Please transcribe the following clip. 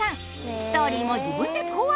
ストーリーも自分で考案。